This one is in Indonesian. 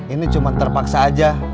ini cuma terpaksa aja